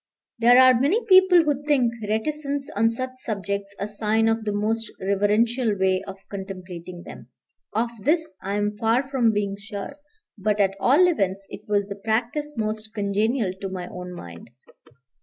There are many people who think reticence on such subjects a sign of the most reverential way of contemplating them. Of this I am far from being sure; but, at all events, it was the practice most congenial to my own mind.